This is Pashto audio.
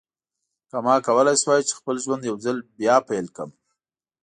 که ما کولای شوای چې خپل ژوند یو ځل بیا پیل کړم.